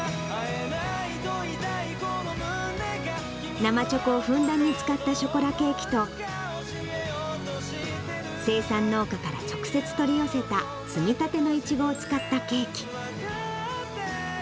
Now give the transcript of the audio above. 生チョコをふんだんに使ったショコラケーキと、生産農家から直接取り寄せた摘みたてのイチゴを使ったケーキ。